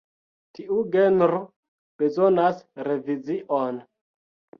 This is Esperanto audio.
Tiu genro bezonas revizion.